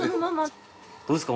どうですか？